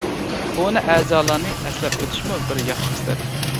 كونا ئەزالارنى ئەسلەپ ئۆتۈشمۇ بىر ياخشى خىسلەت.